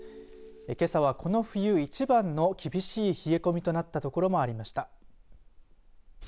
けさは、この冬一番の厳しい冷え込みとなった所もありました。